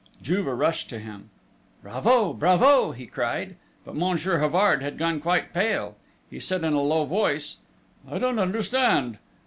Juve rushed to him. "Bravo! Bravo!" he cried. But Monsieur Havard had gone quite pale. He said in a low voice: "I don't understand!"